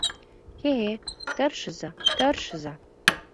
— Хе-хе, тыршыза-тыршыза.